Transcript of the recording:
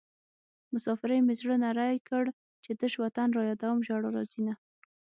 مسافرۍ مې زړه نری کړ چې تش وطن رايادوم ژړا راځينه